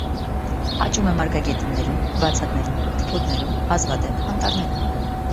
Աճում է մարգագետիններում, բացատներում, թփուտներում, հազվադեպ՝ անտառներում։